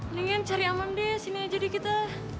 mendingan cari aman deh sini aja deh kita